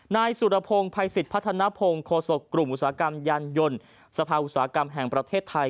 นสุรพงศ์ไพศภัณฑพงศ์โครโสกรุมอุตสาหกรรมยานยนต์สภาบาปอุตสาหกรรมแห่งประเทศไทย